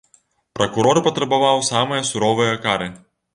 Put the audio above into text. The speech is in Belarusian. Пракурор патрабаваў самае суровае кары.